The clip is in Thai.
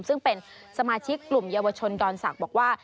ซึ่งเป็นสมาชิกกลุ่มเยาวชนดอนศักดิ์บอกว่า